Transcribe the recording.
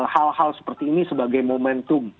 hal hal seperti ini sebagai momentum